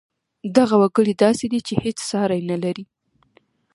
دغه وګړی داسې دی چې هېڅ ساری نه لري